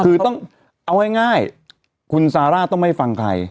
คือต้องเอาง่ายคุณซาร่าต้องไม่ฟังใคร